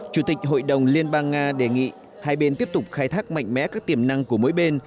chủ tịch hội đồng liên bang nga đề nghị hai bên tiếp tục khai thác mạnh mẽ các tiềm năng của mỗi bên